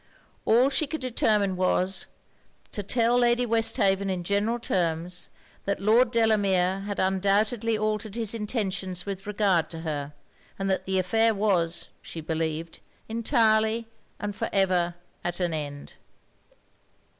All she could determine was, to tell Lady Westhaven in general terms that Lord Delamere had undoubtedly altered his intentions with regard to her, and that the affair was, she believed, entirely and for ever at an end.